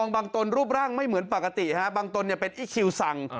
ตนรูปร่างไม่เหมือนปกติบางตนเป็นอีคคิวสั่ง